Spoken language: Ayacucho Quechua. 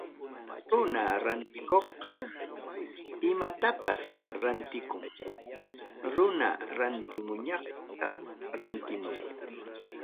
Runa rantikuqqa, imatapas rantikun. Runa rantimuqñataq rantimun.